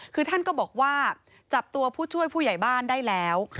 คือท่านก็บอกว่าจับตัวผู้ช่วยผู้ใหญ่บ้านได้แล้ว